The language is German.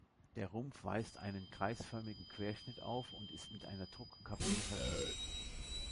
Der Rumpf weist einen kreisförmigen Querschnitt auf und ist mit einer Druckkabine versehen.